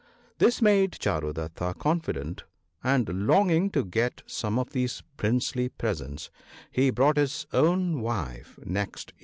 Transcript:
This made Charudatta confident, and longing to get some of these princely presents he brought his own wife next evening.